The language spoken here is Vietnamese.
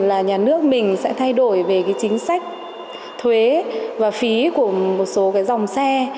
là nhà nước mình sẽ thay đổi về chính sách thuế và phí của một số dòng xe